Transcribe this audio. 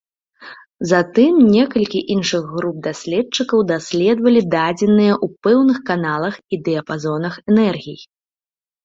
Затым некалькі іншых груп даследчыкаў даследавалі дадзеныя ў пэўных каналах і дыяпазонах энергій.